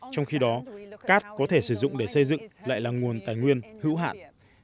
trong khi đó cát có thể sử dụng để xây dựng lại là nguồn tài nguyên hữu hạn